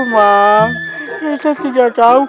saya tidak tahu